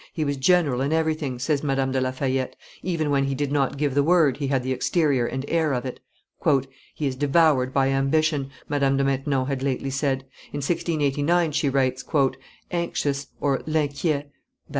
"He was general in everything," says Madame de la Fayette; "even when he did not give the word, he had the exterior and air of it." "He is devoured by ambition," Madame de Maintenon had lately said: in 1689 she writes, "_Anxious (L'Inquiet, i.